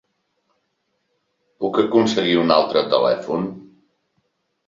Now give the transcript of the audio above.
Puc aconseguir un altre telèfon?